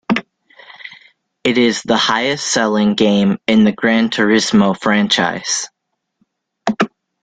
It is the highest-selling game in the "Gran Turismo" franchise.